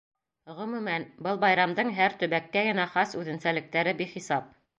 Ғөмүмән, был байрамдың һәр төбәккә генә хас үҙенсәлектәре бихисап.